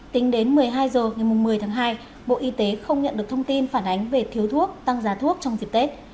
tính đến một mươi hai h ngày một mươi tháng hai bộ y tế không nhận được thông tin phản ánh về thiếu thuốc tăng giá thuốc trong dịp tết